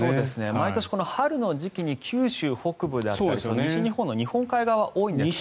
毎年、この春の時期に九州北部だったり西日本の日本海側は多いんですけど。